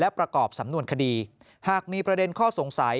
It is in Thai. ประกอบสำนวนคดีหากมีประเด็นข้อสงสัย